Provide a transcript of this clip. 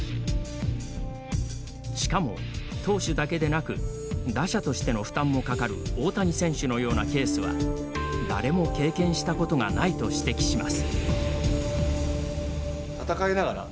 しかも、投手だけでなく打者としての負担もかかる大谷選手のようなケースは誰も経験したことがないと指摘します。